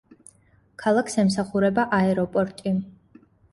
ქალაქს ემსახურება აეროპორტი.